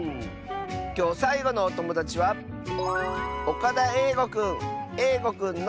きょうさいごのおともだちはえいごくんの。